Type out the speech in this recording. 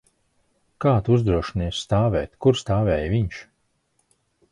Kā tu uzdrošinies stāvēt, kur stāvēja viņš?